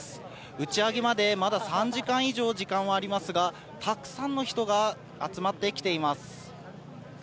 打ち上げまでまだ３時間以上、時間はありますが、たくさんの人が集まってきています。